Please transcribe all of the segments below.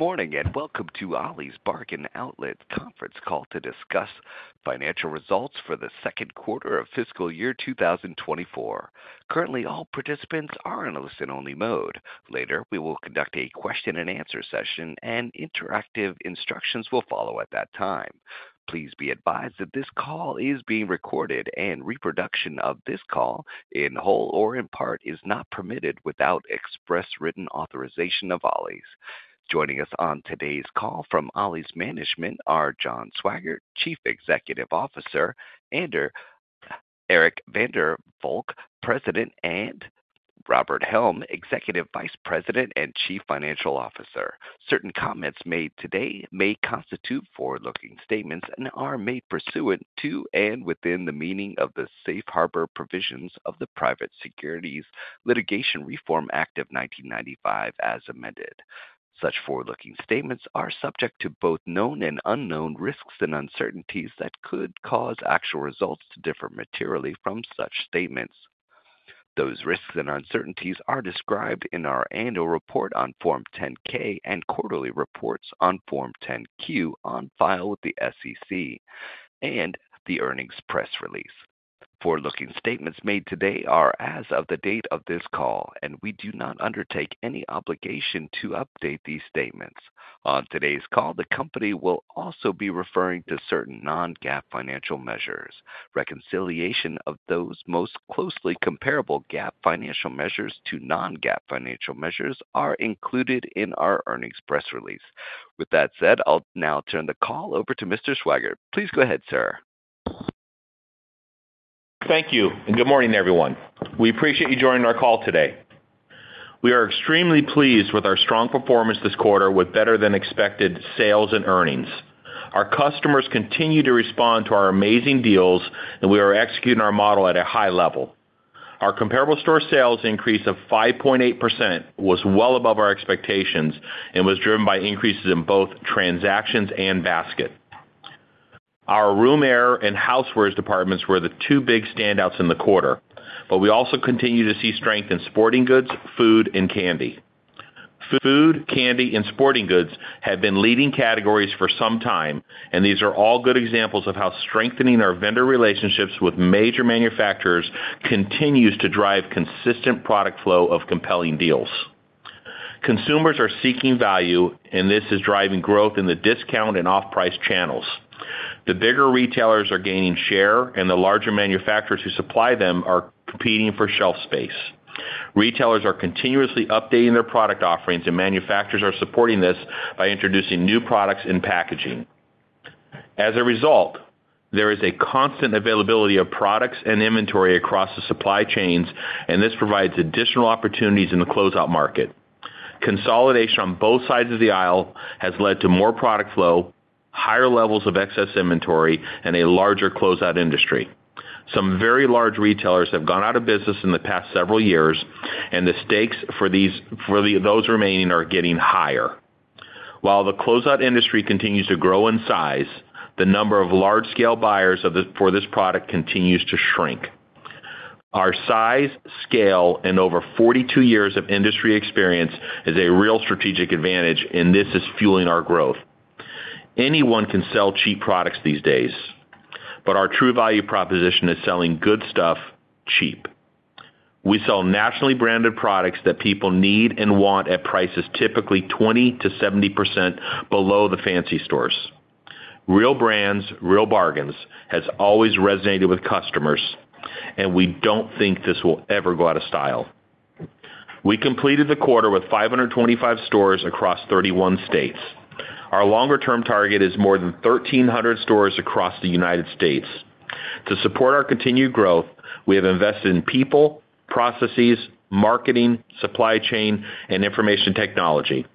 Good morning, and welcome to Ollie's Bargain Outlet Conference Call to discuss financial results for the second quarter of fiscal year 2024. Currently, all participants are in a listen-only mode. Later, we will conduct a question-and-answer session, and interactive instructions will follow at that time. Please be advised that this call is being recorded, and reproduction of this call, in whole or in part, is not permitted without express written authorization of Ollie's. Joining us on today's call from Ollie's management are John Swygert, Chief Executive Officer, Eric van der Valk, President, and Robert Helm, Executive Vice President and Chief Financial Officer. Certain comments made today may constitute forward-looking statements and are made pursuant to, and within the meaning of, the Safe Harbor Provisions of the Private Securities Litigation Reform Act of 1995, as amended. Such forward-looking statements are subject to both known and unknown risks and uncertainties that could cause actual results to differ materially from such statements. Those risks and uncertainties are described in our annual report on Form 10-K and quarterly reports on Form 10-Q, on file with the SEC, and the earnings press release. Forward-looking statements made today are as of the date of this call, and we do not undertake any obligation to update these statements. On today's call, the company will also be referring to certain non-GAAP financial measures. Reconciliation of those most closely comparable GAAP financial measures to non-GAAP financial measures are included in our earnings press release. With that said, I'll now turn the call over to Mr. Swygert. Please go ahead, sir. Thank you, and good morning, everyone. We appreciate you joining our call today. We are extremely pleased with our strong performance this quarter, with better-than-expected sales and earnings. Our customers continue to respond to our amazing deals, and we are executing our model at a high level. Our comparable store sales increase of 5.8% was well above our expectations and was driven by increases in both transactions and basket. Our room air, and housewares departments were the two big standouts in the quarter, but we also continue to see strength in sporting goods, food, and candy. Food, candy, and sporting goods have been leading categories for some time, and these are all good examples of how strengthening our vendor relationships with major manufacturers continues to drive consistent product flow of compelling deals. Consumers are seeking value, and this is driving growth in the discount and off-price channels. The bigger retailers are gaining share, and the larger manufacturers who supply them are competing for shelf space. Retailers are continuously updating their product offerings, and manufacturers are supporting this by introducing new products and packaging. As a result, there is a constant availability of products and inventory across the supply chains, and this provides additional opportunities in the closeout market. Consolidation on both sides of the aisle has led to more product flow, higher levels of excess inventory, and a larger closeout industry. Some very large retailers have gone out of business in the past several years, and the stakes for those remaining are getting higher. While the closeout industry continues to grow in size, the number of large-scale buyers for this product continues to shrink. Our size, scale, and over 42 years of industry experience is a real strategic advantage, and this is fueling our growth. Anyone can sell cheap products these days, but our true value proposition is selling good stuff, cheap. We sell nationally branded products that people need and want at prices typically 20%-70% below the fancy stores. Real brands, real bargains, has always resonated with customers, and we don't think this will ever go out of style. We completed the quarter with 525 stores across 31 states. Our longer-term target is more than 1,300 stores across the United States. To support our continued growth, we have invested in people, processes, marketing, supply chain, and information technology,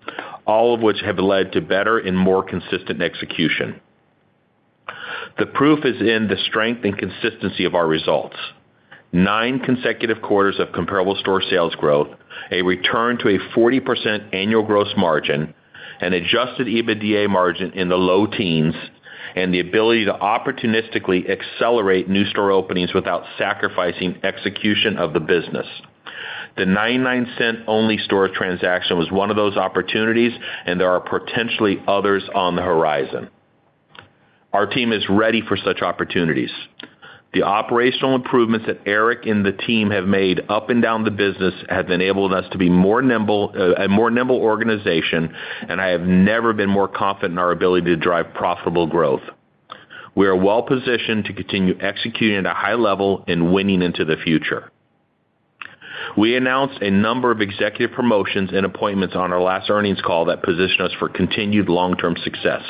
all of which have led to better and more consistent execution. The proof is in the strength and consistency of our results. Nine consecutive quarters of comparable store sales growth, a return to a 40% annual gross margin, an adjusted EBITDA margin in the low teens, and the ability to opportunistically accelerate new store openings without sacrificing execution of the business. The 99 Cents Only Stores transaction was one of those opportunities, and there are potentially others on the horizon. Our team is ready for such opportunities. The operational improvements that Eric and the team have made up and down the business have enabled us to be more nimble, a more nimble organization, and I have never been more confident in our ability to drive profitable growth. We are well positioned to continue executing at a high level and winning into the future. We announced a number of executive promotions and appointments on our last earnings call that position us for continued long-term success.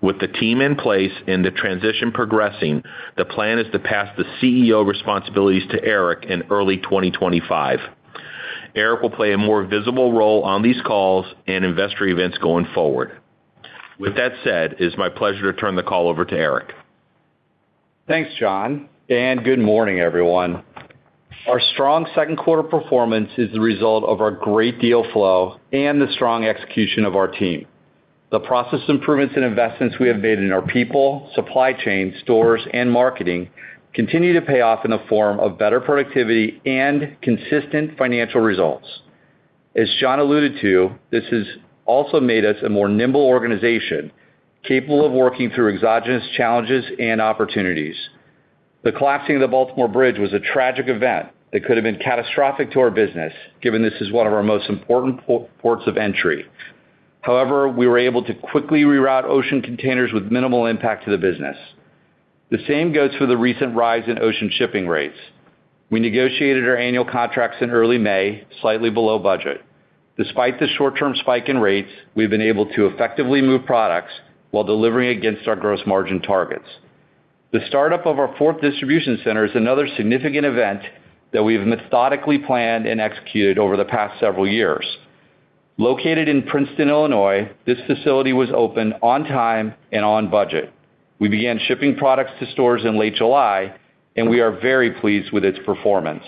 With the team in place and the transition progressing, the plan is to pass the CEO responsibilities to Eric in early 2025. Eric will play a more visible role on these calls and investor events going forward. With that said, it's my pleasure to turn the call over to Eric. Thanks, John, and good morning, everyone. Our strong second quarter performance is the result of our great deal flow and the strong execution of our team.... The process improvements and investments we have made in our people, supply chain, stores, and marketing continue to pay off in the form of better productivity and consistent financial results. As John alluded to, this has also made us a more nimble organization, capable of working through exogenous challenges and opportunities. The collapsing of the Baltimore Bridge was a tragic event that could have been catastrophic to our business, given this is one of our most important ports of entry. However, we were able to quickly reroute ocean containers with minimal impact to the business. The same goes for the recent rise in ocean shipping rates. We negotiated our annual contracts in early May, slightly below budget. Despite the short-term spike in rates, we've been able to effectively move products while delivering against our gross margin targets. The startup of our fourth distribution center is another significant event that we've methodically planned and executed over the past several years. Located in Princeton, Illinois, this facility was opened on time and on budget. We began shipping products to stores in late July, and we are very pleased with its performance.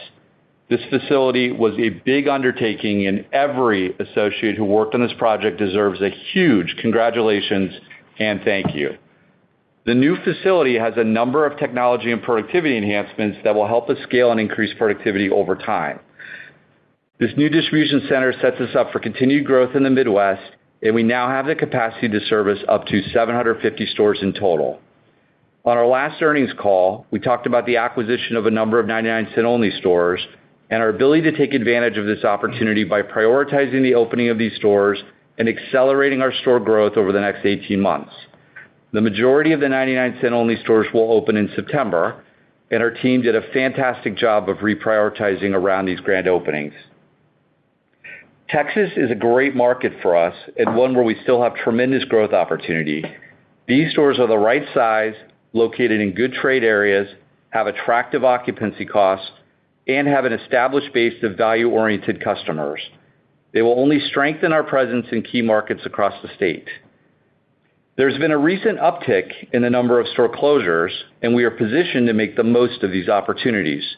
This facility was a big undertaking, and every associate who worked on this project deserves a huge congratulations and thank you. The new facility has a number of technology and productivity enhancements that will help us scale and increase productivity over time. This new distribution center sets us up for continued growth in the Midwest, and we now have the capacity to service up to 750 stores in total. On our last earnings call, we talked about the acquisition of a number of 99 Cents Only stores and our ability to take advantage of this opportunity by prioritizing the opening of these stores and accelerating our store growth over the next 18 months. The majority of the 99 Cents Only stores will open in September, and our team did a fantastic job of reprioritizing around these grand openings. Texas is a great market for us and one where we still have tremendous growth opportunity. These stores are the right size, located in good trade areas, have attractive occupancy costs, and have an established base of value-oriented customers. They will only strengthen our presence in key markets across the state. There's been a recent uptick in the number of store closures, and we are positioned to make the most of these opportunities.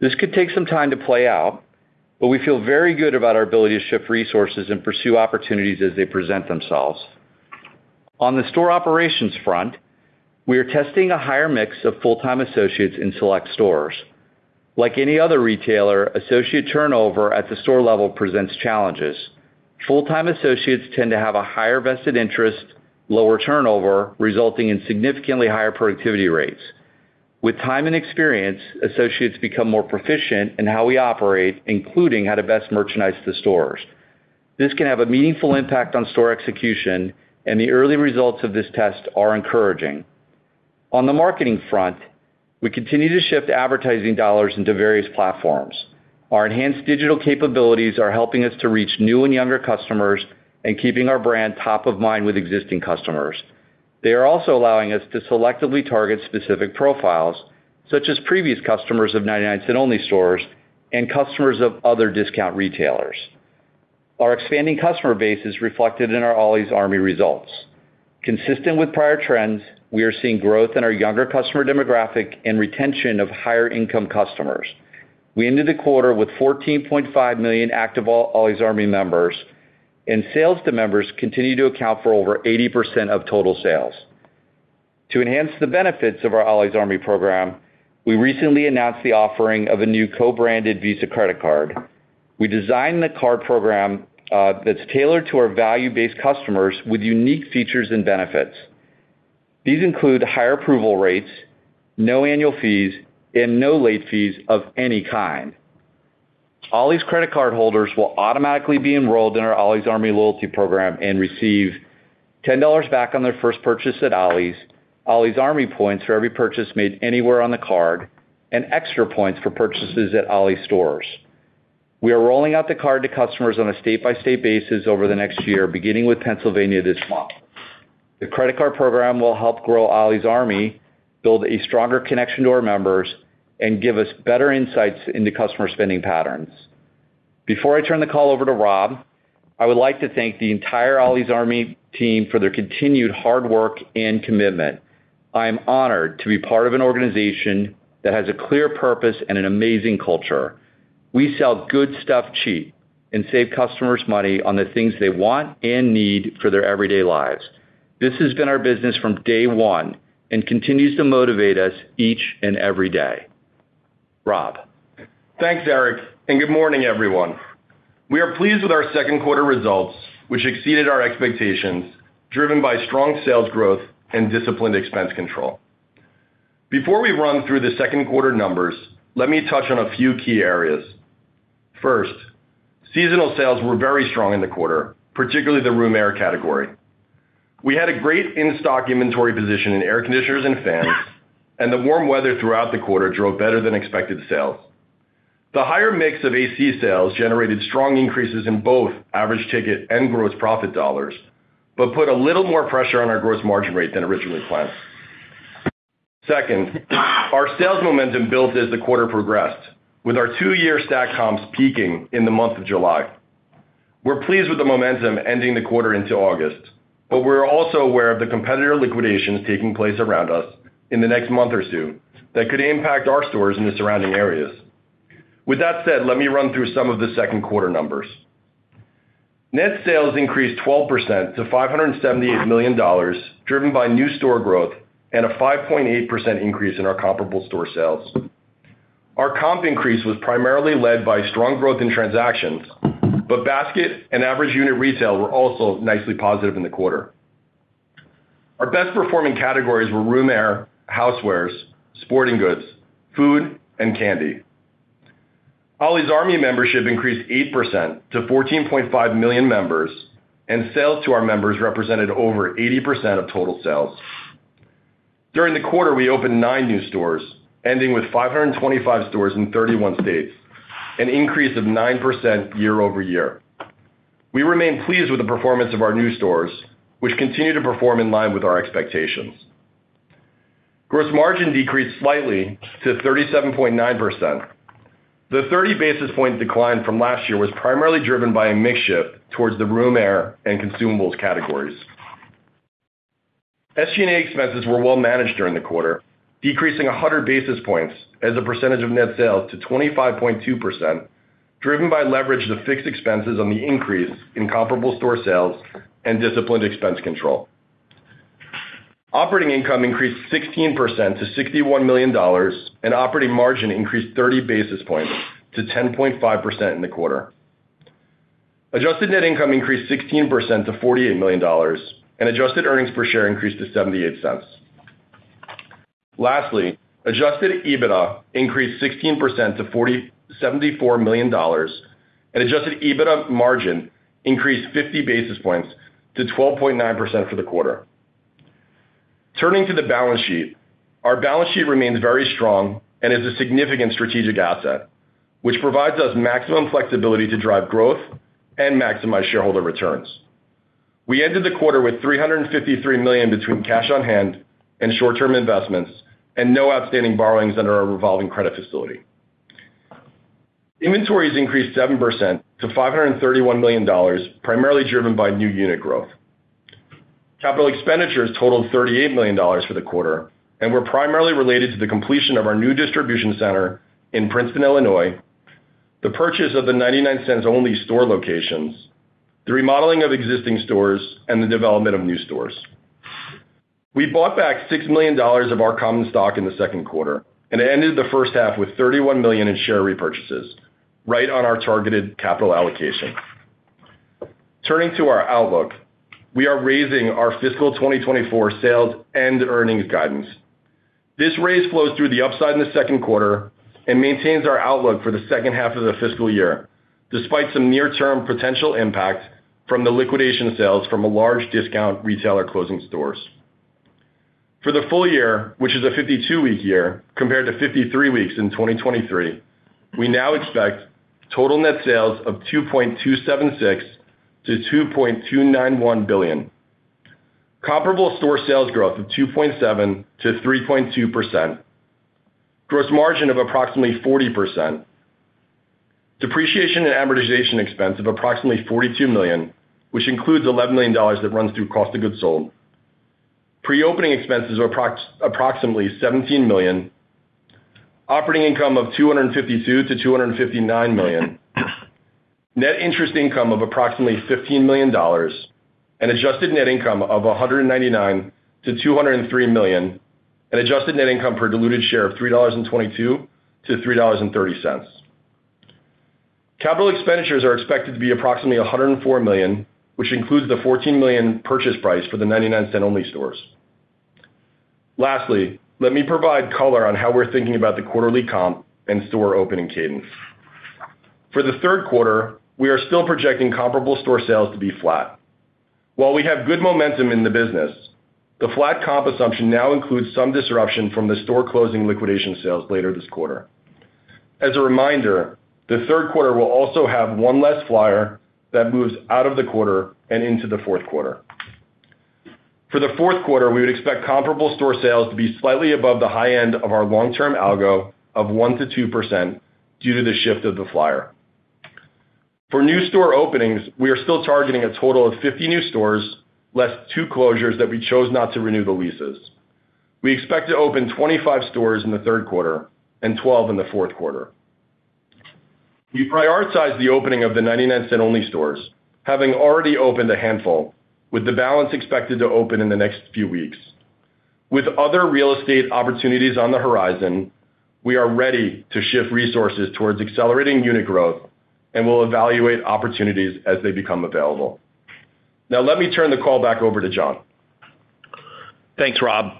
This could take some time to play out, but we feel very good about our ability to shift resources and pursue opportunities as they present themselves. On the store operations front, we are testing a higher mix of full-time associates in select stores. Like any other retailer, associate turnover at the store level presents challenges. Full-time associates tend to have a higher vested interest, lower turnover, resulting in significantly higher productivity rates. With time and experience, associates become more proficient in how we operate, including how to best merchandise the stores. This can have a meaningful impact on store execution, and the early results of this test are encouraging. On the marketing front, we continue to shift advertising dollars into various platforms. Our enhanced digital capabilities are helping us to reach new and younger customers and keeping our brand top of mind with existing customers. They are also allowing us to selectively target specific profiles, such as previous customers of 99 Cents Only Stores and customers of other discount retailers. Our expanding customer base is reflected in our Ollie's Army results. Consistent with prior trends, we are seeing growth in our younger customer demographic and retention of higher-income customers. We ended the quarter with 14.5 million active Ollie's Army members, and sales to members continue to account for over 80% of total sales. To enhance the benefits of our Ollie's Army program, we recently announced the offering of a new co-branded Visa credit card. We designed the card program that's tailored to our value-based customers with unique features and benefits. These include higher approval rates, no annual fees, and no late fees of any kind. Ollie's credit card holders will automatically be enrolled in our Ollie's Army loyalty program and receive $10 back on their first purchase at Ollie's, Ollie's Army points for every purchase made anywhere on the card, and extra points for purchases at Ollie's stores. We are rolling out the card to customers on a state-by-state basis over the next year, beginning with Pennsylvania this month. The credit card program will help grow Ollie's Army, build a stronger connection to our members, and give us better insights into customer spending patterns. Before I turn the call over to Rob, I would like to thank the entire Ollie's Army team for their continued hard work and commitment. I am honored to be part of an organization that has a clear purpose and an amazing culture. We sell good stuff cheap and save customers money on the things they want and need for their everyday lives. This has been our business from day one and continues to motivate us each and every day. Rob? Thanks, Eric, and good morning, everyone. We are pleased with our second quarter results, which exceeded our expectations, driven by strong sales growth and disciplined expense control. Before we run through the second quarter numbers, let me touch on a few key areas. First, seasonal sales were very strong in the quarter, particularly the room air category. We had a great in-stock inventory position in air conditioners and fans, and the warm weather throughout the quarter drove better-than-expected sales. The higher mix of AC sales generated strong increases in both average ticket and gross profit dollars, but put a little more pressure on our gross margin rate than originally planned. Second, our sales momentum built as the quarter progressed, with our two-year stacked comps peaking in the month of July. We're pleased with the momentum ending the quarter into August, but we're also aware of the competitor liquidations taking place around us in the next month or so that could impact our stores in the surrounding areas. With that said, let me run through some of the second quarter numbers. Net sales increased 12% to $578 million, driven by new store growth and a 5.8% increase in our comparable store sales. Our comp increase was primarily led by strong growth in transactions, but basket and average unit retail were also nicely positive in the quarter. Our best-performing categories were room air, housewares, sporting goods, food, and candy. Ollie's Army membership increased 8% to 14.5 million members, and sales to our members represented over 80% of total sales. During the quarter, we opened nine new stores, ending with 525 stores in 31 states, an increase of 9% year-over-year. We remain pleased with the performance of our new stores, which continue to perform in line with our expectations. Gross margin decreased slightly to 37.9%. The 30 basis point decline from last year was primarily driven by a mix shift towards the room air and consumables categories. SG&A expenses were well managed during the quarter, decreasing 100 basis points as a percentage of net sales to 25.2%, driven by leverage to fixed expenses on the increase in comparable store sales and disciplined expense control. Operating income increased 16% to $61 million, and operating margin increased 30 basis points to 10.5% in the quarter. Adjusted net income increased 16% to $48 million, and adjusted earnings per share increased to $0.78. Lastly, adjusted EBITDA increased 16% to $74 million, and adjusted EBITDA margin increased 50 basis points to 12.9% for the quarter. Turning to the balance sheet, our balance sheet remains very strong and is a significant strategic asset, which provides us maximum flexibility to drive growth and maximize shareholder returns. We ended the quarter with $353 million between cash on hand and short-term investments, and no outstanding borrowings under our revolving credit facility. Inventories increased 7% to $531 million, primarily driven by new unit growth. Capital expenditures totaled $38 million for the quarter and were primarily related to the completion of our new distribution center in Princeton, Illinois, the purchase of the 99 Cents Only store locations, the remodeling of existing stores, and the development of new stores. We bought back $6 million of our common stock in the second quarter and ended the first half with $31 million in share repurchases, right on our targeted capital allocation. Turning to our outlook, we are raising our fiscal 2024 sales and earnings guidance. This raise flows through the upside in the second quarter and maintains our outlook for the second half of the fiscal year, despite some near-term potential impact from the liquidation sales from a large discount retailer closing stores. For the full year, which is a 52-week year compared to 53 weeks in 2023, we now expect total net sales of $2.276 billion - $2.291 billion. Comparable store sales growth of 2.7% - 3.2%. Gross margin of approximately 40%. Depreciation and amortization expense of approximately $42 million, which includes $11 million that runs through cost of goods sold. Pre-opening expenses are approximately $17 million. Operating income of $252 million - $259 million. Net interest income of approximately $15 million, and adjusted net income of $199 million - $203 million, and adjusted net income per diluted share of $3.22 - $3.30. Capital expenditures are expected to be approximately $104 million, which includes the $14 million purchase price for the 99 Cents Only Stores. Lastly, let me provide color on how we're thinking about the quarterly comp and store opening cadence. For the third quarter, we are still projecting comparable store sales to be flat. While we have good momentum in the business, the flat comp assumption now includes some disruption from the store closing liquidation sales later this quarter. As a reminder, the third quarter will also have one less flyer that moves out of the quarter and into the fourth quarter. For the fourth quarter, we would expect comparable store sales to be slightly above the high end of our long-term algo of 1%-2% due to the shift of the flyer. For new store openings, we are still targeting a total of 50 new stores, less two closures that we chose not to renew the leases. We expect to open 25 stores in the third quarter and 12 in the fourth quarter. We prioritize the opening of the 99 Cents Only Stores, having already opened a handful, with the balance expected to open in the next few weeks. With other real estate opportunities on the horizon, we are ready to shift resources towards accelerating unit growth and will evaluate opportunities as they become available. Now, let me turn the call back over to John. Thanks, Rob.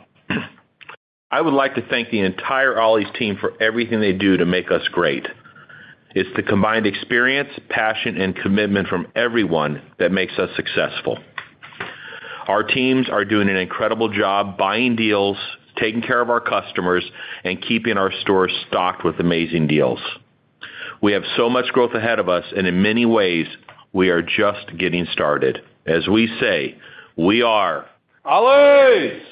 I would like to thank the entire Ollie's team for everything they do to make us great. It's the combined experience, passion, and commitment from everyone that makes us successful. Our teams are doing an incredible job buying deals, taking care of our customers, and keeping our stores stocked with amazing deals. We have so much growth ahead of us, and in many ways, we are just getting started. As we say, we are Ollie's!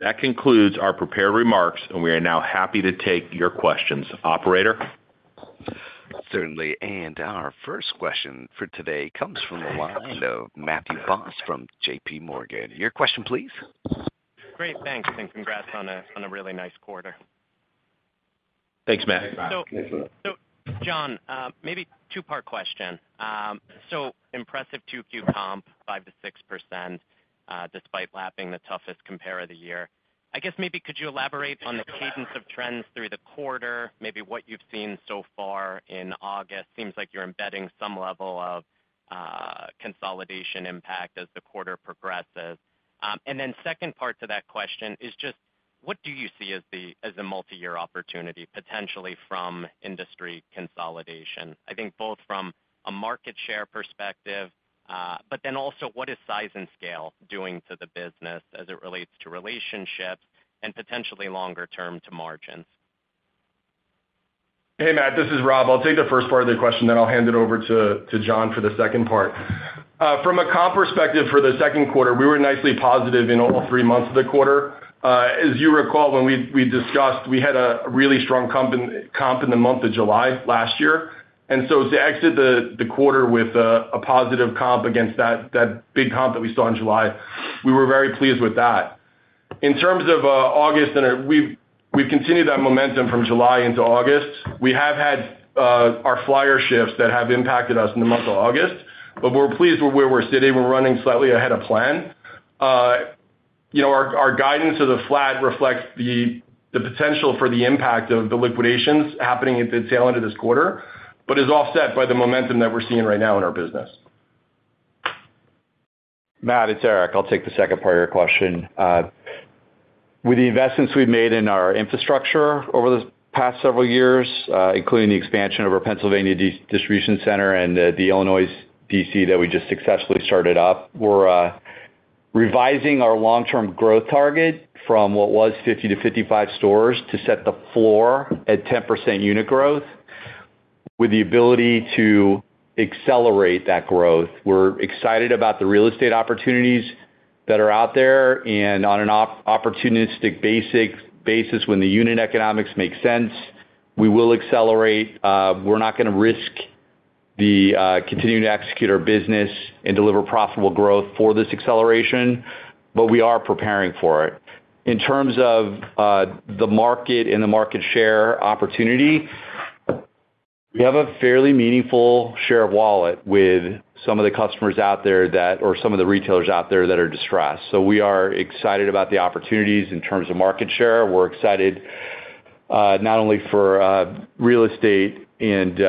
That concludes our prepared remarks, and we are now happy to take your questions. Operator? Certainly. And our first question for today comes from the line of Matthew Boss from J.P. Morgan. Your question, please? Great, thanks, and congrats on a really nice quarter. Thanks, Matt. So, John, maybe two-part question. So impressive 2Q comp, 5%-6%, despite lapping the toughest compare of the year. I guess maybe could you elaborate on the cadence of trends through the quarter, maybe what you've seen so far in August? Seems like you're embedding some level of consolidation impact as the quarter progresses. And then second part to that question is just what do you see as the, as a multi-year opportunity, potentially from industry consolidation? I think both from a market share perspective, but then also, what is size and scale doing to the business as it relates to relationships and potentially longer term to margins? Hey, Matt, this is Rob. I'll take the first part of the question, then I'll hand it over to John for the second part. From a comp perspective, for the second quarter, we were nicely positive in all 3 months of the quarter. As you recall, when we discussed, we had a really strong comp in the month of July last year, and so to exit the quarter with a positive comp against that big comp that we saw in July, we were very pleased with that. In terms of August, we've continued that momentum from July into August. We have had our flyer shifts that have impacted us in the month of August, but we're pleased with where we're sitting. We're running slightly ahead of plan. You know, our guidance of the flat reflects the potential for the impact of the liquidations happening at the tail end of this quarter, but is offset by the momentum that we're seeing right now in our business. Matt, it's Eric. I'll take the second part of your question. With the investments we've made in our infrastructure over the past several years, including the expansion of our Pennsylvania distribution center and the Illinois DC that we just successfully started up, we're revising our long-term growth target from what was 50 - 55 stores, to set the floor at 10% unit growth, with the ability to accelerate that growth. We're excited about the real estate opportunities that are out there, and on an opportunistic basis, when the unit economics make sense, we will accelerate. We're not gonna risk the continuing to execute our business and deliver profitable growth for this acceleration, but we are preparing for it. In terms of the market and the market share opportunity, we have a fairly meaningful share of wallet with some of the customers out there that, or some of the retailers out there that are distressed, so we are excited about the opportunities in terms of market share. We're excited, not only for real estate and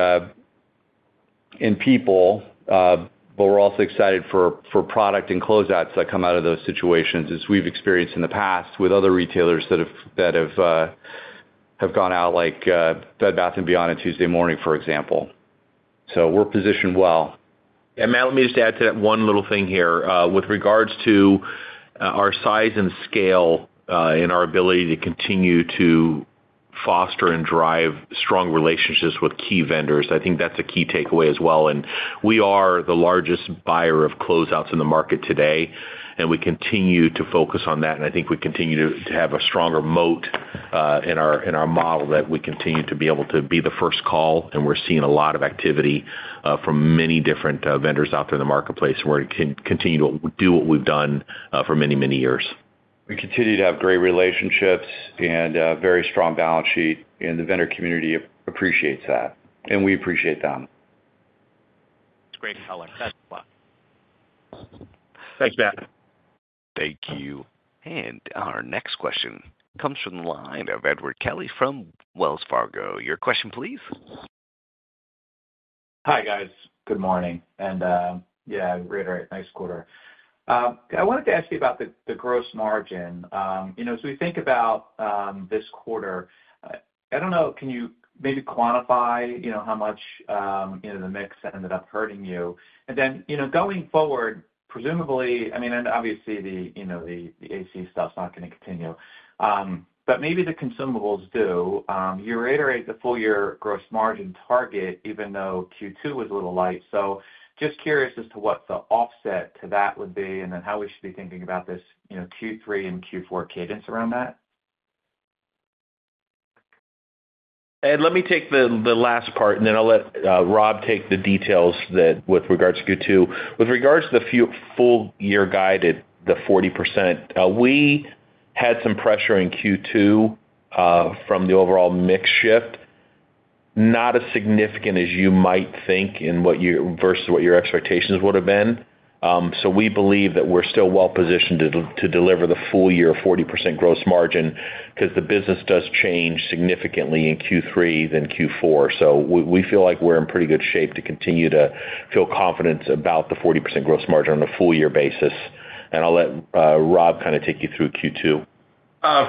people, but we're also excited for product and closeouts that come out of those situations, as we've experienced in the past with other retailers that have gone out, like Bed Bath & Beyond and Tuesday Morning, for example, so we're positioned well. And Matt, let me just add to that one little thing here. With regards to our size and scale and our ability to continue to foster and drive strong relationships with key vendors, I think that's a key takeaway as well. And we are the largest buyer of closeouts in the market today, and we continue to focus on that. And I think we continue to have a stronger moat in our model that we continue to be able to be the first call, and we're seeing a lot of activity from many different vendors out there in the marketplace. And we're continue to do what we've done for many, many years. We continue to have great relationships and a very strong balance sheet, and the vendor community appreciates that, and we appreciate them. It's great to hear. Thanks a lot. Thanks, Matt. Thank you. And our next question comes from the line of Edward Kelly from Wells Fargo. Your question, please. Hi, guys. Good morning, and yeah, reiterate, nice quarter. I wanted to ask you about the gross margin. You know, as we think about this quarter, I don't know, can you maybe quantify, you know, how much, you know, the mix ended up hurting you? And then, you know, going forward, presumably, I mean, and obviously, the, you know, the AC stuff's not gonna continue, but maybe the consumables do. You reiterate the full year gross margin target, even though Q2 was a little light, so just curious as to what the offset to that would be, and then how we should be thinking about this, you know, Q3 and Q4 cadence around that. Ed, let me take the last part, and then I'll let Rob take the details that with regards to Q2. With regards to the full year guided, the 40%, we had some pressure in Q2 from the overall mix shift. Not as significant as you might think in what versus what your expectations would have been. So we believe that we're still well positioned to deliver the full year 40% gross margin, because the business does change significantly in Q3 than Q4. So we feel like we're in pretty good shape to continue to feel confident about the 40% gross margin on a full year basis. And I'll let Rob kind of take you through Q2.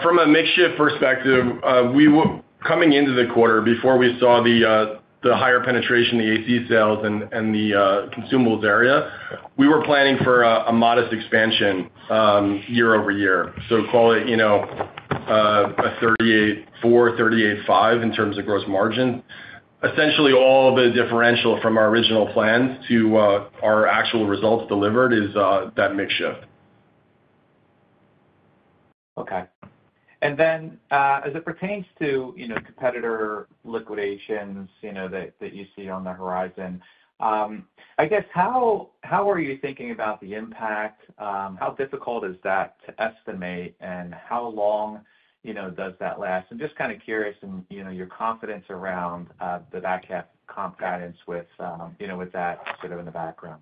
From a mix shift perspective, we were coming into the quarter before we saw the higher penetration, the AC sales and the consumables area. We were planning for a modest expansion year over year. So call it, you know, a 38.4%-38.5% gross margin. Essentially, all of the differential from our original plans to our actual results delivered is that mix shift.... Okay. And then, as it pertains to, you know, competitor liquidations, you know, that you see on the horizon, I guess how are you thinking about the impact? How difficult is that to estimate, and how long, you know, does that last? I'm just kind of curious and, you know, your confidence around the back-half comp guidance with, you know, with that sort of in the background.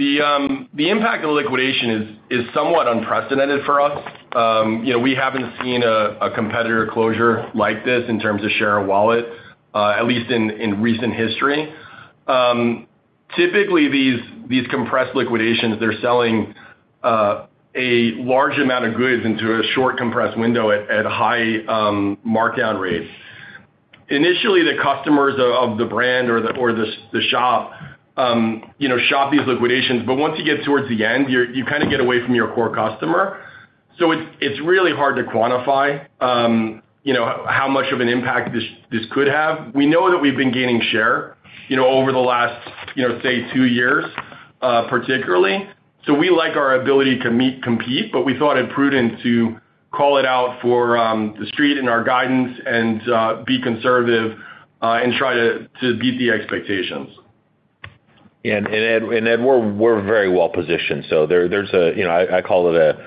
The impact of the liquidation is somewhat unprecedented for us. You know, we haven't seen a competitor closure like this in terms of share of wallet, at least in recent history. Typically, these compressed liquidations, they're selling a large amount of goods into a short, compressed window at high markdown rates. Initially, the customers of the brand or the shop, you know, shop these liquidations. But once you get towards the end, you kind of get away from your core customer. So it's really hard to quantify, you know, how much of an impact this could have. We know that we've been gaining share, you know, over the last, you know, say, 2 years, particularly. So we like our ability to compete, but we thought it prudent to call it out for the street and our guidance and be conservative and try to beat the expectations. Ed, we're very well positioned, so there's, you know, I call it a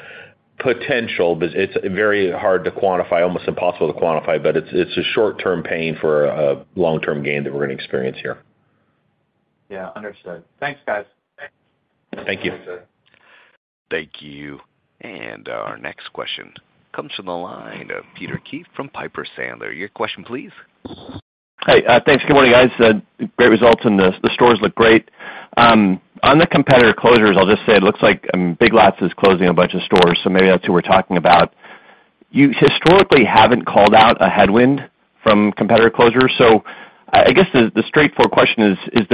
potential, but it's very hard to quantify, almost impossible to quantify, but it's a short-term pain for a long-term gain that we're gonna experience here. Yeah. Understood. Thanks, guys. Thank you. Thanks, Ed. Thank you. And our next question comes from the line of Peter Keith from Piper Sandler. Your question, please. Hi. Thanks. Good morning, guys. Great results, and the stores look great. On the competitor closures, I'll just say it looks like Big Lots is closing a bunch of stores, so maybe that's who we're talking about. You historically haven't called out a headwind from competitor closures, so I guess the straightforward question is,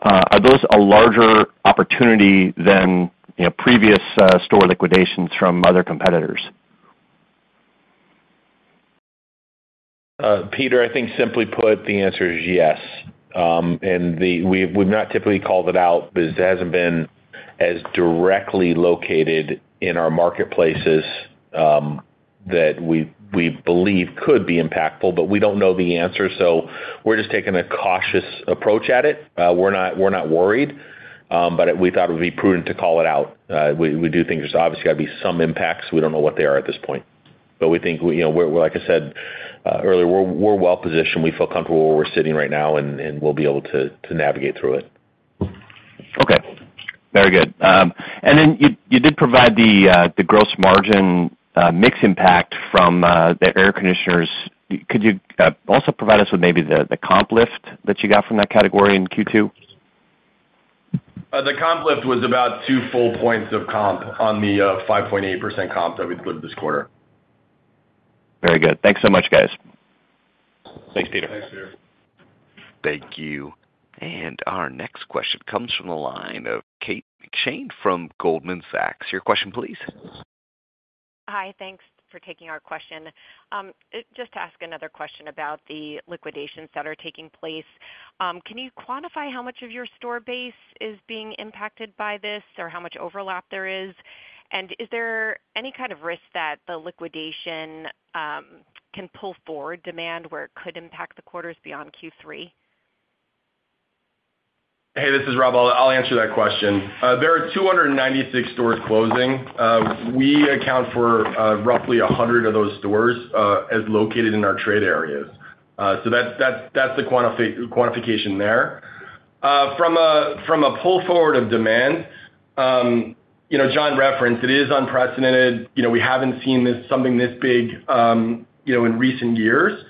are those a larger opportunity than, you know, previous store liquidations from other competitors? Peter, I think simply put, the answer is yes. We've not typically called it out because it hasn't been as directly located in our marketplaces that we believe could be impactful, but we don't know the answer, so we're just taking a cautious approach at it. We're not worried, but we thought it would be prudent to call it out. We do think there's obviously gonna be some impacts. We don't know what they are at this point, but we think, you know, we're like I said earlier, we're well positioned. We feel comfortable where we're sitting right now, and we'll be able to navigate through it. Okay, very good, and then you did provide the gross margin mix impact from the air conditioners. Could you also provide us with maybe the comp lift that you got from that category in Q2? The comp lift was about two full points of comp on the 5.8% comp that we delivered this quarter. Very good. Thanks so much, guys. Thanks, Peter. Thanks, Peter. Thank you. And our next question comes from the line of Kate McShane from Goldman Sachs. Your question, please. Hi. Thanks for taking our question. Just to ask another question about the liquidations that are taking place. Can you quantify how much of your store base is being impacted by this, or how much overlap there is? And is there any kind of risk that the liquidation can pull forward demand, where it could impact the quarters beyond Q3? Hey, this is Rob. I'll answer that question. There are 296 stores closing. We account for roughly 100 of those stores as located in our trade areas. So that's the quantification there. From a pull forward of demand, you know, John referenced it is unprecedented. You know, we haven't seen this, something this big, you know, in recent years.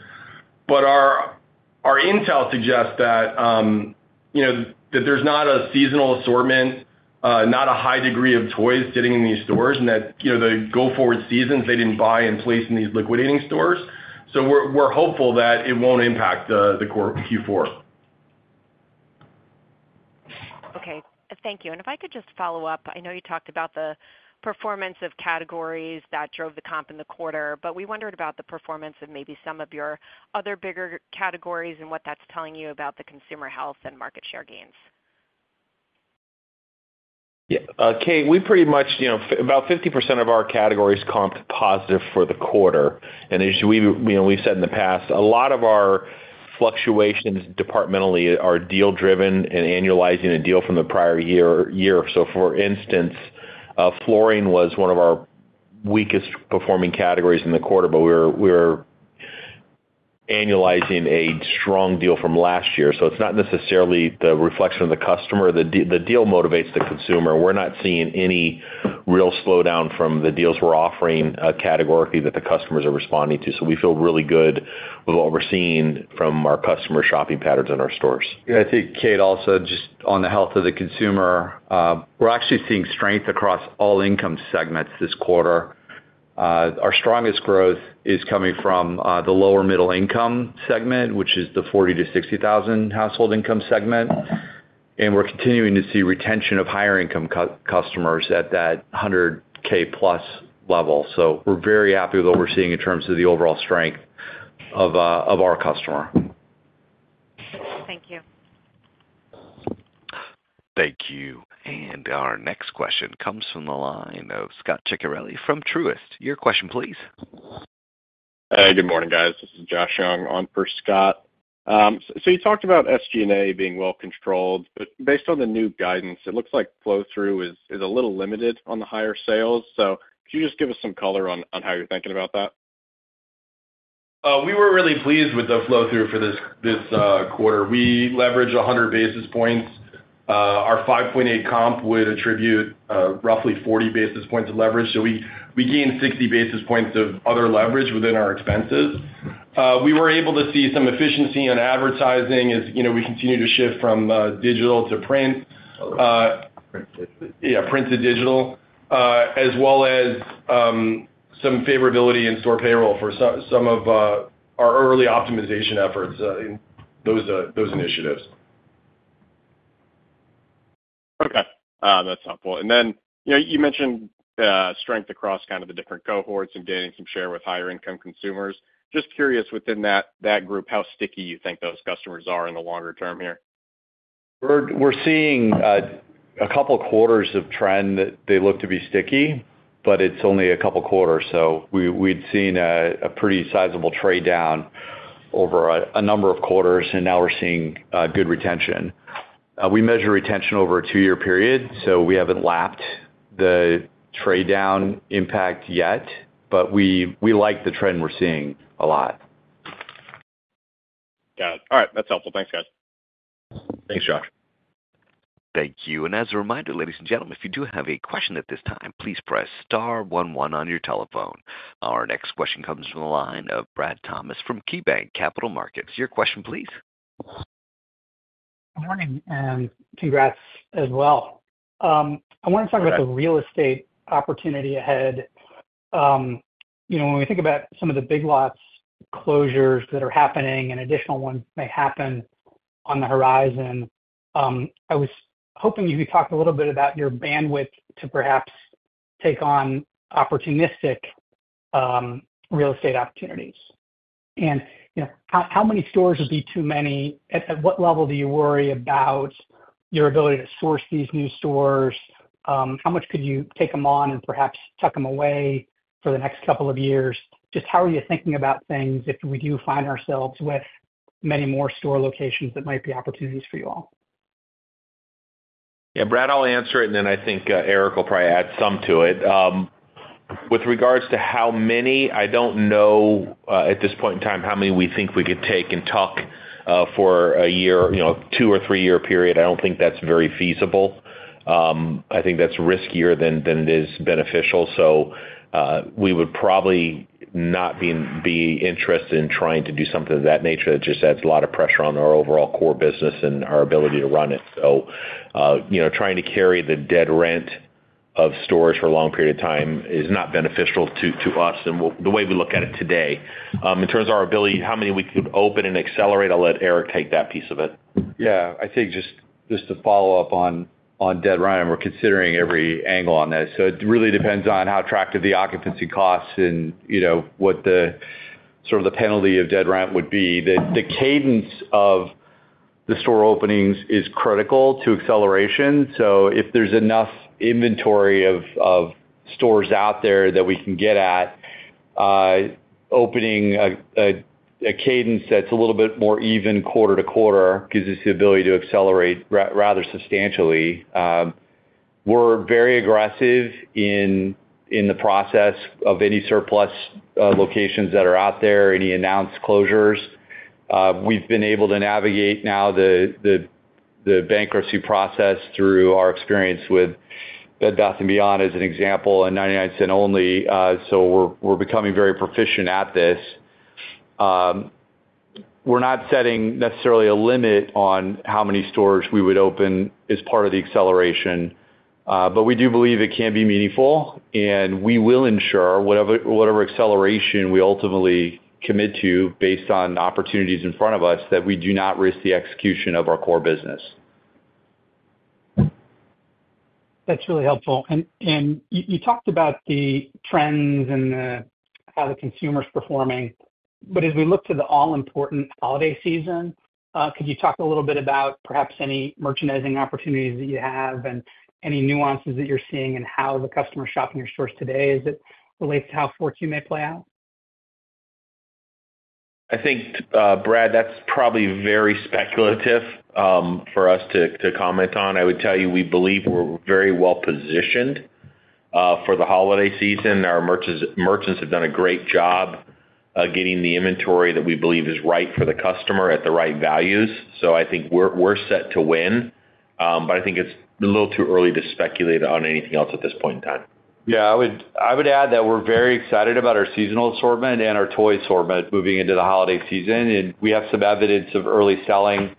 But our intel suggests that, you know, that there's not a seasonal assortment, not a high degree of toys sitting in these stores and that, you know, the go-forward seasons, they didn't buy in place in these liquidating stores. So we're hopeful that it won't impact the core Q4. Okay. Thank you. And if I could just follow up, I know you talked about the performance of categories that drove the comp in the quarter, but we wondered about the performance of maybe some of your other bigger categories and what that's telling you about the consumer health and market share gains. Yeah, Kate, we pretty much, you know, about 50% of our categories comp positive for the quarter. And as we've, you know, we've said in the past, a lot of our fluctuations departmentally are deal driven and annualizing a deal from the prior year or year. So for instance, flooring was one of our weakest performing categories in the quarter, but we're annualizing a strong deal from last year. So it's not necessarily the reflection of the customer. The deal motivates the consumer. We're not seeing any real slowdown from the deals we're offering categorically that the customers are responding to. So we feel really good with what we're seeing from our customer shopping patterns in our stores. Yeah, I think, Kate, also, just on the health of the consumer, we're actually seeing strength across all income segments this quarter. Our strongest growth is coming from the lower middle income segment, which is the 40-60 thousand household income segment, and we're continuing to see retention of higher income customers at that 100K + level. So we're very happy with what we're seeing in terms of the overall strength of our customer. Thank you. Thank you. And our next question comes from the line of Scott Ciccarelli from Truist. Your question, please. Hey, good morning, guys. This is Josh Young on for Scott. So you talked about SG&A being well controlled, but based on the new guidance, it looks like flow-through is a little limited on the higher sales. So could you just give us some color on how you're thinking about that? We were really pleased with the flow-through for this quarter. We leveraged 100 basis points. Our 5.8 comp would attribute roughly 40 basis points of leverage, so we gained 60 basis points of other leverage within our expenses. We were able to see some efficiency on advertising as, you know, we continue to shift from digital to print. Print to digital. Yeah, print to digital, as well as some favorability in store payroll for some of our early optimization efforts in those initiatives. Okay, that's helpful. And then, you know, you mentioned strength across kind of the different cohorts and gaining some share with higher income consumers. Just curious, within that, that group, how sticky you think those customers are in the longer term here? We're seeing a couple quarters of trend that they look to be sticky, but it's only a couple quarters. So we'd seen a pretty sizable trade-down over a number of quarters, and now we're seeing good retention. We measure retention over a 2-year period, so we haven't lapped the trade-down impact yet, but we like the trend we're seeing a lot. Got it. All right, that's helpful. Thanks, guys. Thanks, Josh. Thank you. And as a reminder, ladies and gentlemen, if you do have a question at this time, please press star one one on your telephone. Our next question comes from the line of Brad Thomas from KeyBanc Capital Markets. Your question please. Good morning, and congrats as well. I want to talk about- Okay... the real estate opportunity ahead. You know, when we think about some of the Big Lots closures that are happening, and additional ones may happen on the horizon, I was hoping you could talk a little bit about your bandwidth to perhaps take on opportunistic real estate opportunities. And, you know, how many stores would be too many? At what level do you worry about your ability to source these new stores? How much could you take them on and perhaps tuck them away for the next couple of years? Just how are you thinking about things if we do find ourselves with many more store locations that might be opportunities for you all? Yeah, Brad, I'll answer it, and then I think, Eric will probably add some to it. With regards to how many, I don't know, at this point in time, how many we think we could take and tuck, for a year, you know, two or 3-year period. I don't think that's very feasible. I think that's riskier than it is beneficial. So, we would probably not be interested in trying to do something of that nature. That just adds a lot of pressure on our overall core business and our ability to run it. So, you know, trying to carry the dead rent of stores for a long period of time is not beneficial to us and the way we look at it today. In terms of our ability, how many we could open and accelerate, I'll let Eric take that piece of it. Yeah, I think just, just to follow up on, on dead rent, we're considering every angle on that. So it really depends on how attractive the occupancy costs and, you know, what the sort of the penalty of dead rent would be. The cadence of the store openings is critical to acceleration, so if there's enough inventory of stores out there that we can get at, opening a cadence that's a little bit more even quarter to quarter, gives us the ability to accelerate rather substantially. We're very aggressive in the process of any surplus locations that are out there, any announced closures. We've been able to navigate now the bankruptcy process through our experience with Bed Bath & Beyond, as an example, and 99 Cents Only, so we're, we're becoming very proficient at this. We're not setting necessarily a limit on how many stores we would open as part of the acceleration, but we do believe it can be meaningful, and we will ensure whatever acceleration we ultimately commit to based on opportunities in front of us, that we do not risk the execution of our core business. That's really helpful. And you talked about the trends and how the consumer's performing, but as we look to the all-important holiday season, could you talk a little bit about perhaps any merchandising opportunities that you have and any nuances that you're seeing and how the customer shop in your stores today as it relates to how fourth Q may play out? I think, Brad, that's probably very speculative, for us to comment on. I would tell you, we believe we're very well positioned, for the holiday season. Our merchants have done a great job, getting the inventory that we believe is right for the customer at the right values. So I think we're set to win, but I think it's a little too early to speculate on anything else at this point in time. Yeah, I would add that we're very excited about our seasonal assortment and our toy assortment moving into the holiday season, and we have some evidence of early selling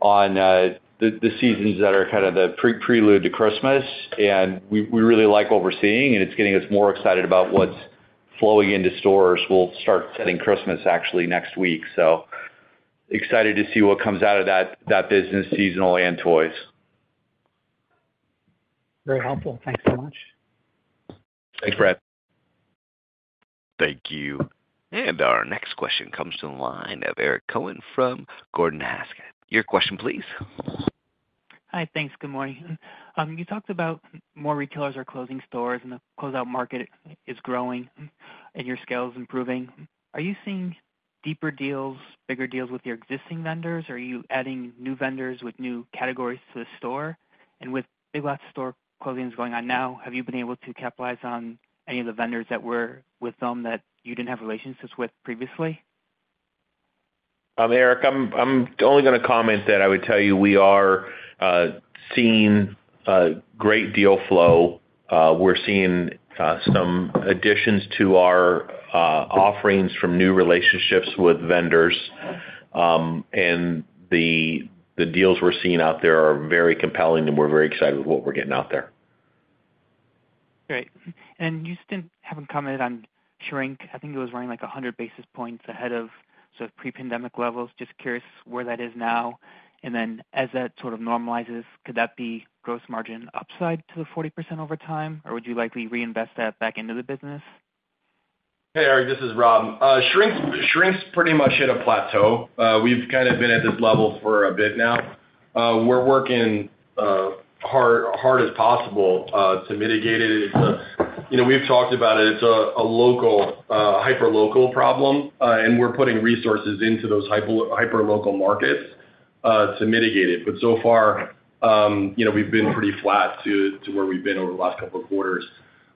on the seasons that are kind of the prelude to Christmas, and we really like what we're seeing, and it's getting us more excited about what's flowing into stores. We'll start setting Christmas actually next week, so excited to see what comes out of that business, seasonal and toys.... Very helpful. Thanks so much. Thanks, Brad. Thank you. And our next question comes from the line of Eric Cohen from Gordon Haskett. Your question, please. Hi, thanks. Good morning. You talked about more retailers are closing stores, and the closeout market is growing, and your scale is improving. Are you seeing deeper deals, bigger deals with your existing vendors, or are you adding new vendors with new categories to the store? And with Big Lots store closings going on now, have you been able to capitalize on any of the vendors that were with them that you didn't have relationships with previously? Eric, I'm only gonna comment that I would tell you we are seeing great deal flow. We're seeing some additions to our offerings from new relationships with vendors, and the deals we're seeing out there are very compelling, and we're very excited with what we're getting out there. Great. And you still haven't commented on shrink. I think it was running like a 100 basis points ahead of sort of pre-pandemic levels. Just curious where that is now. And then as that sort of normalizes, could that be gross margin upside to the 40% over time, or would you likely reinvest that back into the business? Hey, Eric, this is Rob. Shrink's pretty much hit a plateau. We've kind of been at this level for a bit now. We're working hard as possible to mitigate it. You know, we've talked about it. It's a local hyper-local problem, and we're putting resources into those hyper-local markets to mitigate it. But so far, you know, we've been pretty flat to where we've been over the last couple of quarters.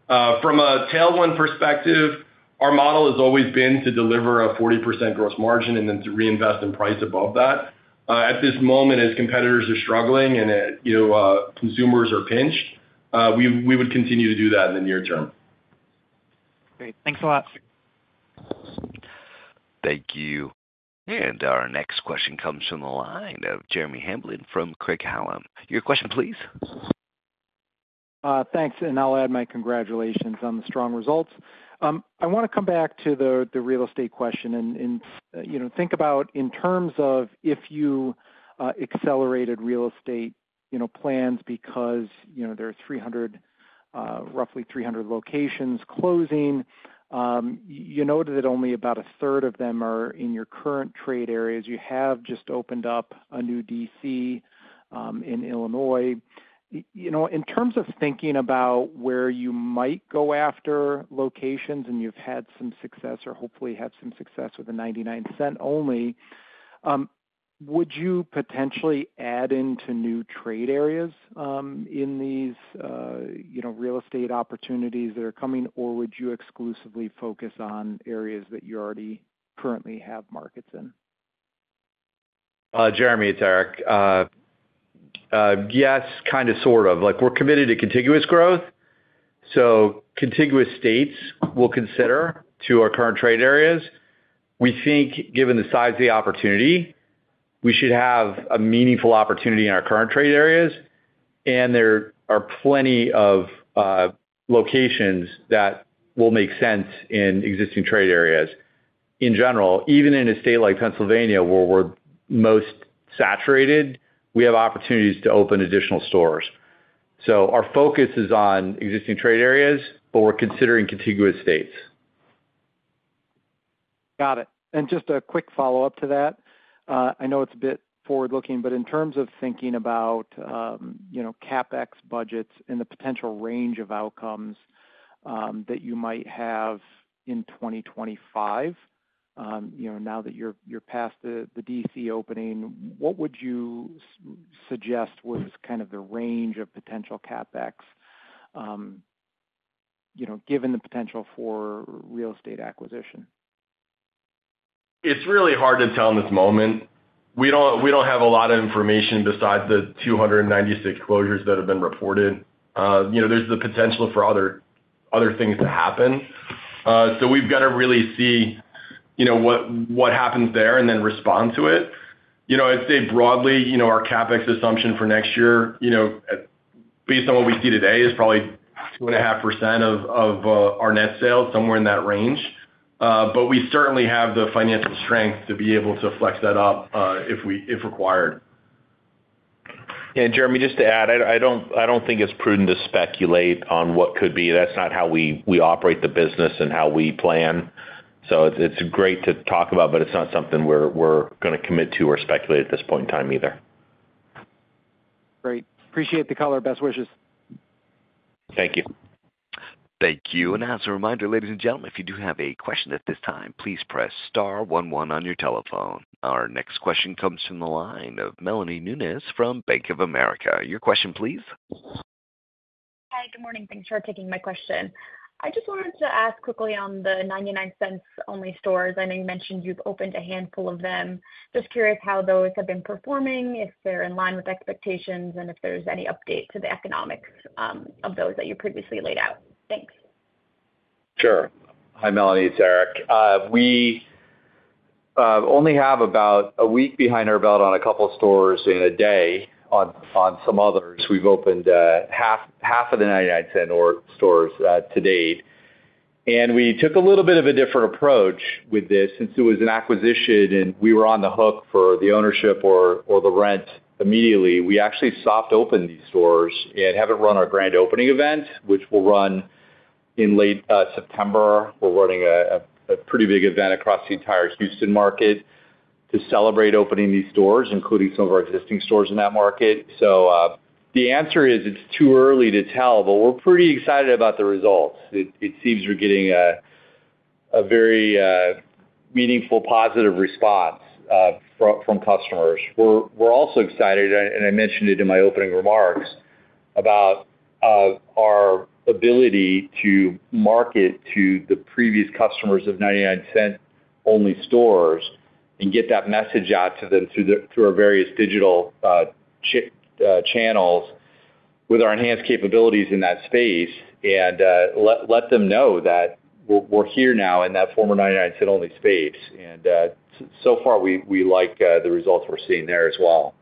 From a tailwind perspective, our model has always been to deliver a 40% gross margin and then to reinvest and price above that. At this moment, as competitors are struggling and, you know, consumers are pinched, we would continue to do that in the near term. Great. Thanks a lot. Thank you. And our next question comes from the line of Jeremy Hamblin from Craig-Hallum. Your question, please. Thanks, and I'll add my congratulations on the strong results. I wanna come back to the real estate question and, you know, think about in terms of if you accelerated real estate, you know, plans because, you know, there are 300, roughly 300 locations closing. You noted that only about a third of them are in your current trade areas. You have just opened up a new DC in Illinois. You know, in terms of thinking about where you might go after locations, and you've had some success, or hopefully had some success with the 99 Cents Only, would you potentially add into new trade areas in these, you know, real estate opportunities that are coming, or would you exclusively focus on areas that you already currently have markets in? Jeremy, it's Eric. Yes, kind of, sort of. Like, we're committed to contiguous growth, so contiguous states will consider to our current trade areas. We think, given the size of the opportunity, we should have a meaningful opportunity in our current trade areas, and there are plenty of locations that will make sense in existing trade areas. In general, even in a state like Pennsylvania, where we're most saturated, we have opportunities to open additional stores. So our focus is on existing trade areas, but we're considering contiguous states. Got it. Just a quick follow-up to that. I know it's a bit forward-looking, but in terms of thinking about, you know, CapEx budgets and the potential range of outcomes that you might have in 2025, you know, now that you're past the DC opening, what would you suggest was kind of the range of potential CapEx, you know, given the potential for real estate acquisition? It's really hard to tell in this moment. We don't have a lot of information besides the 296 closures that have been reported. You know, there's the potential for other things to happen. So we've got to really see, you know, what happens there and then respond to it. You know, I'd say broadly, you know, our CapEx assumption for next year, you know, based on what we see today, is probably 2.5% of our net sales, somewhere in that range. But we certainly have the financial strength to be able to flex that up, if required. And Jeremy, just to add, I don't think it's prudent to speculate on what could be. That's not how we operate the business and how we plan. So it's great to talk about, but it's not something we're gonna commit to or speculate at this point in time either. Great. Appreciate the call. Our best wishes. Thank you. Thank you. And as a reminder, ladies and gentlemen, if you do have a question at this time, please press star one one on your telephone. Our next question comes from the line of Melanie Nunez from Bank of America. Your question, please. Hi, good morning. Thanks for taking my question. I just wanted to ask quickly on the 99 Cents Only Stores. I know you mentioned you've opened a handful of them. Just curious how those have been performing, if they're in line with expectations, and if there's any update to the economics of those that you previously laid out. Thanks. Sure. Hi, Melanie, it's Eric. We only have about a week under our belt on a couple stores and a day on some others. We've opened half of the 99 Cents Only stores to date. We took a little bit of a different approach with this, since it was an acquisition, and we were on the hook for the ownership or the rent immediately. We actually soft opened these stores and haven't run our grand opening event, which we'll run in late September. We're running a pretty big event across the entire Houston market to celebrate opening these stores, including some of our existing stores in that market. So, the answer is, it's too early to tell, but we're pretty excited about the results. It seems we're getting a very meaningful positive response from customers. We're also excited, and I mentioned it in my opening remarks, about our ability to market to the previous customers of 99 Cents Only Stores and get that message out to them through our various digital channels with our enhanced capabilities in that space, and let them know that we're here now in that former 99 Cents Only space. So far, we like the results we're seeing there as well.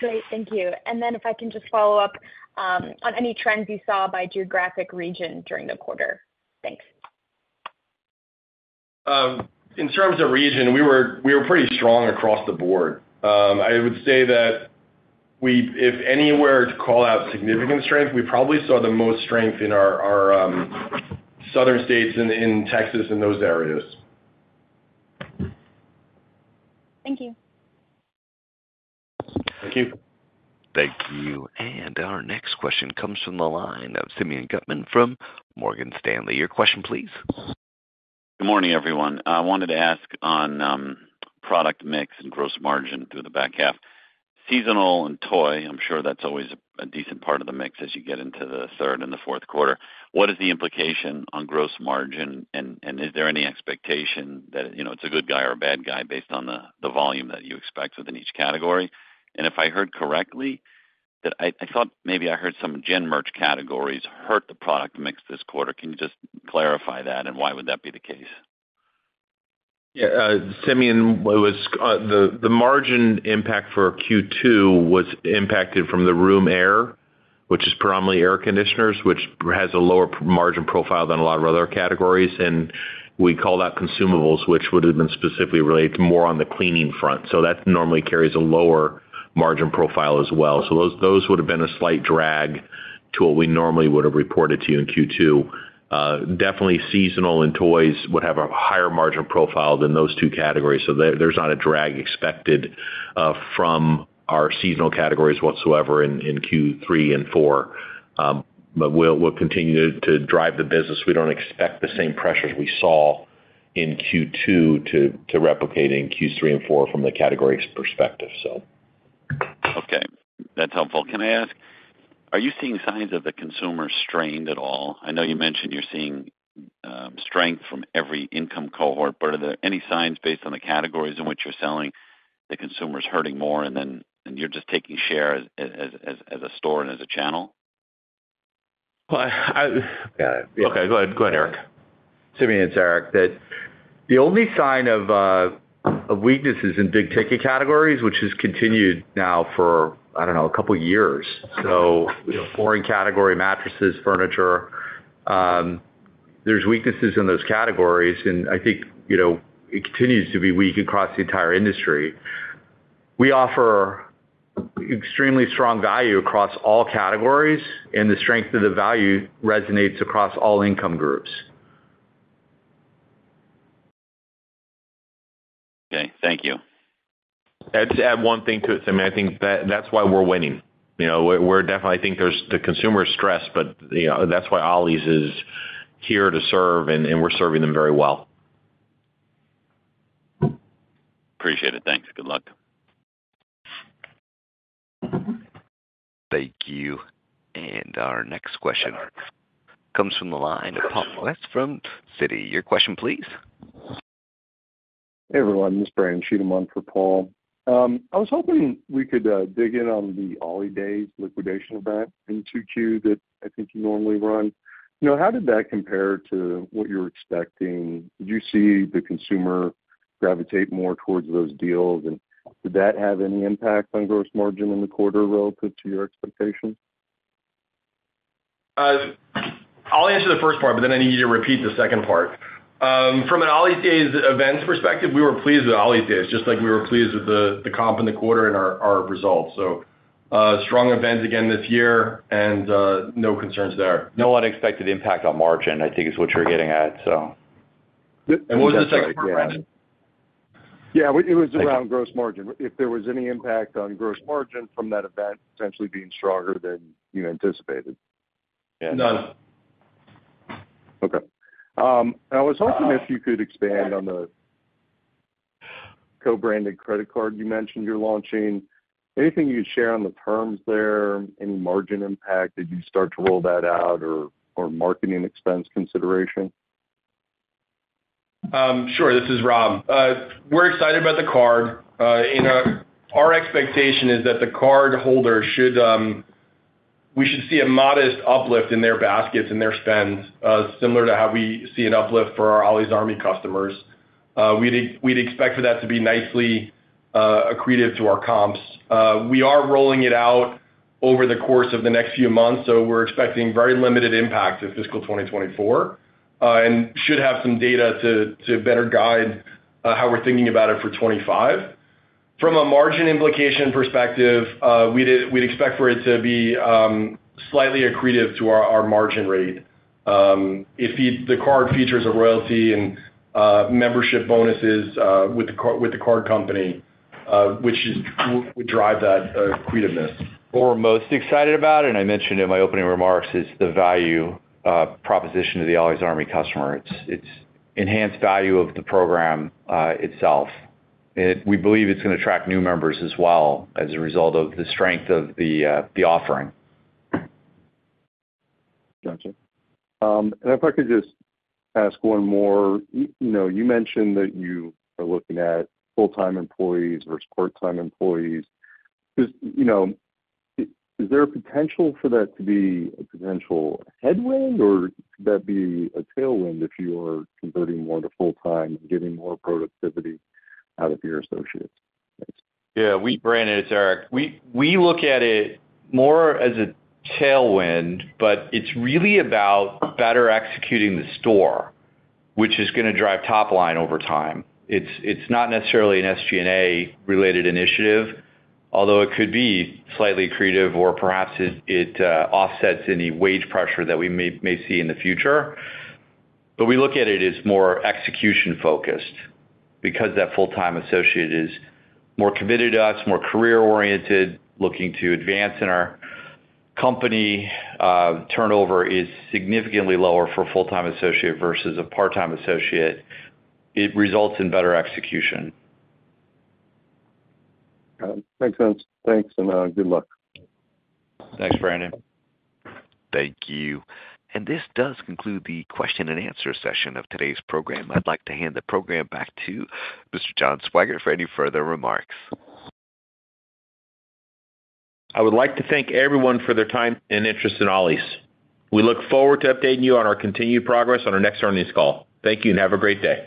Great, thank you. And then if I can just follow up on any trends you saw by geographic region during the quarter? Thanks. In terms of region, we were pretty strong across the board. I would say that we, if anywhere to call out significant strength, we probably saw the most strength in our southern states in Texas and those areas. Thank you. Thank you. Thank you. And our next question comes from the line of Simeon Gutman from Morgan Stanley. Your question, please. Good morning, everyone. I wanted to ask on product mix and gross margin through the back half. Seasonal and toy, I'm sure that's always a decent part of the mix as you get into the third and the fourth quarter. What is the implication on gross margin? And is there any expectation that, you know, it's a good guy or a bad guy based on the volume that you expect within each category? And if I heard correctly, I thought maybe I heard some gen merch categories hurt the product mix this quarter. Can you just clarify that? And why would that be the case? Yeah, Simeon, what was the margin impact for Q2 was impacted from the room air, which is predominantly air conditioners, which has a lower margin profile than a lot of our other categories. And we call that consumables, which would have been specifically related more on the cleaning front. So that normally carries a lower margin profile as well. So those would have been a slight drag to what we normally would have reported to you in Q2. Definitely seasonal and toys would have a higher margin profile than those two categories, so there's not a drag expected from our seasonal categories whatsoever in Q3 and four. But we'll continue to drive the business. We don't expect the same pressures we saw in Q2 to replicate in Q3 and four from the categories perspective, so. Okay, that's helpful. Can I ask, are you seeing signs of the consumer strained at all? I know you mentioned you're seeing strength from every income cohort, but are there any signs based on the categories in which you're selling, the consumer is hurting more, and then you're just taking share as a store and as a channel? Well, I- Yeah. Okay, go ahead. Go ahead, Eric. Simeon, it's Eric. The only sign of weakness is in big-ticket categories, which has continued now for, I don't know, a couple of years, so you know, flooring category, mattresses, furniture, there's weaknesses in those categories, and I think, you know, it continues to be weak across the entire industry. We offer extremely strong value across all categories, and the strength of the value resonates across all income groups. Okay, thank you. I'd just add one thing to it, Simeon. I think that's, that's why we're winning. You know, we're, we're definitely, I think there's the consumer stress, but, you know, that's why Ollie's is here to serve, and, and we're serving them very well. Appreciate it. Thanks. Good luck. Thank you, and our next question comes from the line of Paul Lejuez from Citi. Your question, please. Hey, everyone, this is Brandon Cheatham on for Paul. I was hoping we could dig in on the Ollie's Days liquidation event in 2Q that I think you normally run. You know, how did that compare to what you're expecting? Did you see the consumer gravitate more towards those deals, and did that have any impact on gross margin in the quarter relative to your expectations? I'll answer the first part, but then I need you to repeat the second part. From an Ollie's Days events perspective, we were pleased with Ollie's Days, just like we were pleased with the comp in the quarter and our results. So, strong events again this year, and no concerns there. No unexpected impact on margin, I think is what you're getting at, so- What was the second part, Brandon? Yeah, it was around gross margin. If there was any impact on gross margin from that event potentially being stronger than you anticipated? None. Okay. I was hoping if you could expand on the co-branded credit card you mentioned you're launching. Anything you could share on the terms there, any margin impact as you start to roll that out, or marketing expense consideration? Sure. This is Rob. We're excited about the card, and our expectation is that the cardholder should, we should see a modest uplift in their baskets and their spends, similar to how we see an uplift for our Ollie's Army customers. We'd expect for that to be nicely accretive to our comps. We are rolling it out over the course of the next few months, so we're expecting very limited impact to fiscal 2024, and should have some data to better guide how we're thinking about it for 2025. From a margin implication perspective, we'd expect for it to be slightly accretive to our margin rate. If the card features a loyalty and membership bonuses with the card company, which would drive that accretiveness. What we're most excited about, and I mentioned in my opening remarks, is the value proposition to the Ollie's Army customer. It's enhanced value of the program itself. We believe it's gonna attract new members as well as a result of the strength of the offering. Gotcha. And if I could just ask one more. You know, you mentioned that you are looking at full-time employees versus part-time employees. Just, you know, is there a potential for that to be a potential headwind, or could that be a tailwind if you are converting more to full-time and getting more productivity out of your associates? Thanks. Yeah, Brandon, it's Eric. We look at it more as a tailwind, but it's really about better executing the store, which is gonna drive top line over time. It's not necessarily an SG&A-related initiative, although it could be slightly accretive or perhaps it offsets any wage pressure that we may see in the future. But we look at it as more execution-focused because that full-time associate is more committed to us, more career-oriented, looking to advance in our company. Turnover is significantly lower for a full-time associate versus a part-time associate. It results in better execution. Got it. Makes sense. Thanks, and good luck. Thanks, Brandon. Thank you, and this does conclude the question and answer session of today's program. I'd like to hand the program back to Mr. John Swygert for any further remarks. I would like to thank everyone for their time and interest in Ollie's. We look forward to updating you on our continued progress on our next earnings call. Thank you, and have a great day.